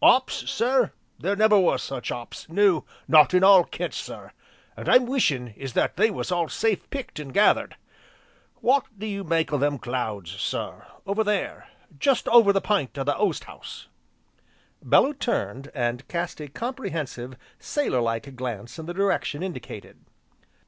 "'Ops sir, there never was such 'ops, no, not in all Kent, sir. All I'm wishin' is that they was all safe picked, an' gathered. W'ot do you make o' them clouds, sir, over there, jest over the p'int o' the oast house?" Bellew turned, and cast a comprehensive, sailor like glance in the direction indicated.